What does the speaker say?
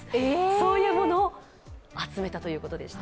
そういうものを集めたということでした。